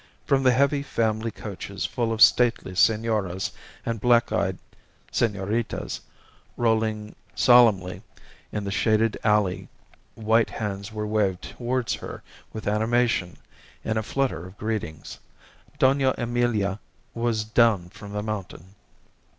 From the heavy family coaches full of stately senoras and black eyed senoritas rolling solemnly in the shaded alley white hands were waved towards her with animation in a flutter of greetings. Dona Emilia was "down from the mountain."